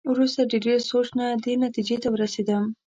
وروسته د ډېر سوچ نه دې نتېجې ته ورسېدم.